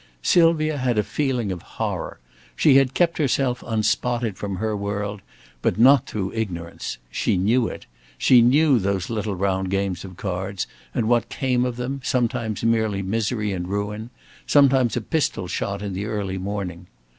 Sylvia had a feeling of horror. She had kept herself unspotted from her world, but not through ignorance. She knew it. She knew those little round games of cards and what came of them, sometimes merely misery and ruin, sometimes a pistol shot in the early morning.